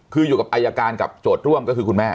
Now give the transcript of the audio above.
คืออยู่กับอายการกับโจทย์ร่วมก็คือคุณแม่